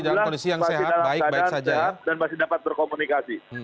alhamdulillah masih dalam keadaan sehat dan masih dapat berkomunikasi